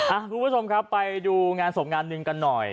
คุณผู้ชมครับไปดูงานศพงานหนึ่งกันหน่อย